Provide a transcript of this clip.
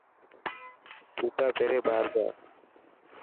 جوتا پيري ٻاهر جا.